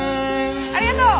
ありがとう！